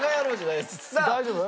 大丈夫？